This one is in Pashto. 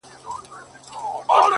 د لېوني د ژوند سُر پر یو تال نه راځي”